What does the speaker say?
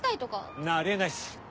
んなあり得ないっす。